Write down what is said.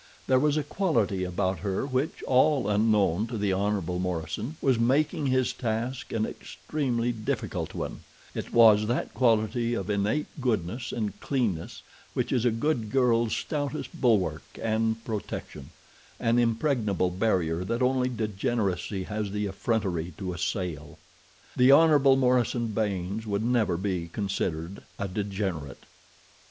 There was a quality about her which, all unknown to the Hon. Morison, was making his task an extremely difficult one—it was that quality of innate goodness and cleanness which is a good girl's stoutest bulwark and protection—an impregnable barrier that only degeneracy has the effrontery to assail. The Hon. Morison Baynes would never be considered a degenerate.